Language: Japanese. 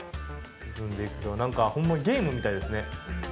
進んでいくとなんかホンマにゲームみたいですね。